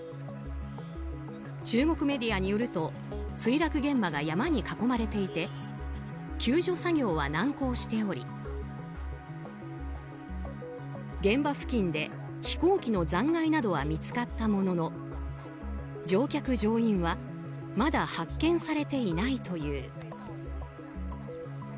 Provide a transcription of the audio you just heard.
中国メディアによると墜落現場が山に囲まれていて救助作業は難航しており現場付近で飛行機の残骸などは見つかったものの乗客・乗員はまだ発見されていないという。